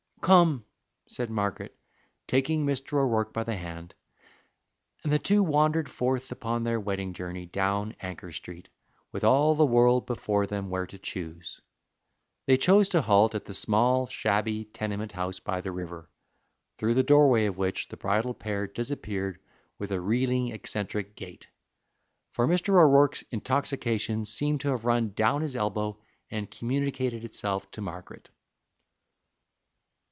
"Come!" said Margaret, taking Mr. O'Rourke by the hand; and the two wandered forth upon their wedding journey down Anchor Street, with all the world before them where to choose. They chose to halt at the small, shabby tenement house by the river, through the doorway of which the bridal pair disappeared with a reeling, eccentric gait; for Mr. O'Rourke's intoxication seemed to have run down his elbow, and communicated itself to Margaret.